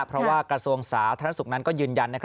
เพราะว่ากระทรวงสาธารณสุขนั้นก็ยืนยัน